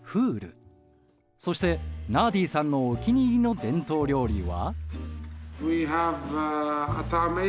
そしてナーディさんのお気に入りの伝統料理は。